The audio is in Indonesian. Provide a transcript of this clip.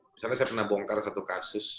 misalnya saya pernah bongkar satu kasus